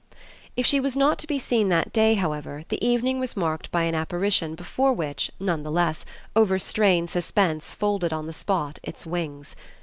If she was not to be seen that day, however, the evening was marked by an apparition before which, none the less, overstrained suspense folded on the spot its wings.